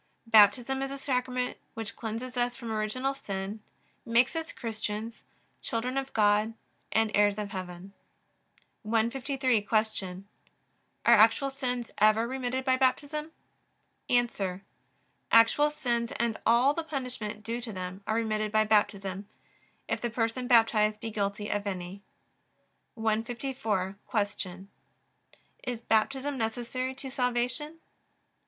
Baptism is a Sacrament which cleanses us from original sin, makes us Christians, children of God, and heirs of heaven. 153. Q. Are actual sins ever remitted by Baptism? A. Actual sins and all the punishment due to them are remitted by Baptism, if the person baptized be guilty of any. 154. Q. Is Baptism necessary to salvation?